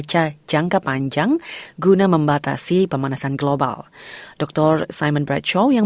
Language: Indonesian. kekuatan untuk menjadi bagian